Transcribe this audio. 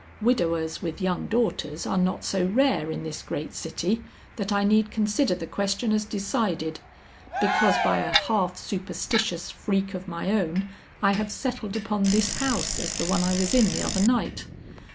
Widowers with young daughters are not so rare in this great city that I need consider the question as decided, because by a half superstitious freak of my own I have settled upon this house as the one I was in the other night.